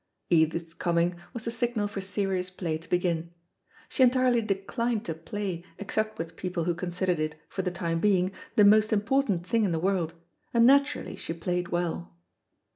Edith's coming was the signal for serious play to begin. She entirely declined to play except with people who considered it, for the time being, the most important thing in the world, and naturally she played well.